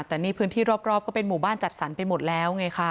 แต่นี่พื้นที่รอบก็เป็นหมู่บ้านจัดสรรไปหมดแล้วไงค่ะ